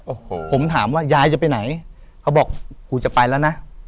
โอ้โหผมถามว่ายายจะไปไหนเขาบอกกูจะไปแล้วนะ